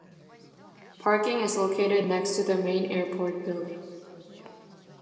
Parking is located next to the main airport building.